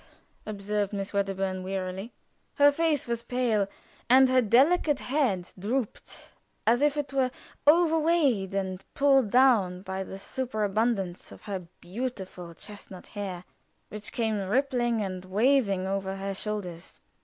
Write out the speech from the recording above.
observed Miss Wedderburn, rather wearily. Her face was pale, and her delicate head drooped as if it were overweighed and pulled down by the superabundance of her beautiful chestnut hair, which came rippling and waving over her shoulders.